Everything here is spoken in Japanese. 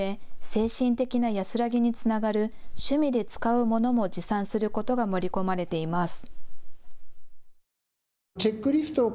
精神的な安らぎにつながる趣味で使うものも持参することが盛り込まれています。